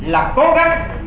là cố gắng